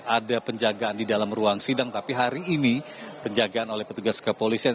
ada penjagaan di dalam ruang sidang tapi hari ini penjagaan oleh petugas kepolisian